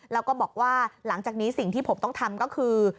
แล้วก็บอกว่าหลังจากนี้สิ่งที่ผมต้องทำก็คือ